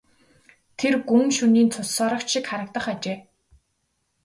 Тэр гүн шөнийн цус сорогч шиг харагдах ажээ.